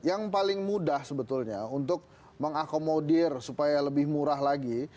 yang paling mudah sebetulnya untuk mengakomodir supaya lebih murah lagi